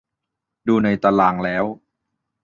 ดูในตารางแล้ว